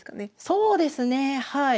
そうですねはい。